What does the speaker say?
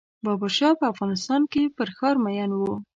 بابر شاه په افغانستان کې پر ښار مین و.